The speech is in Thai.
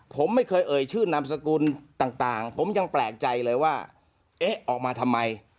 ผมไม่เคยเอ่ยชื่อนามสกุลต่างผมยังแปลกใจเลยว่าเอ๊ะออกมาทำไม